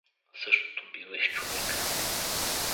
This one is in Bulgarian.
Същото бива и с човека.